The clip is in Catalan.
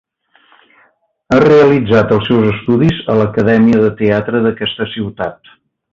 Ha realitzat els seus estudis a l'Acadèmia de Teatre d'aquesta ciutat.